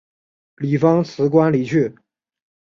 李芳辞官离去。